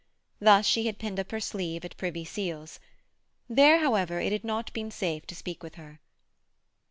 Thus she had pinned up her sleeve at Privy Seal's. There, however, it had not been safe to speak with her.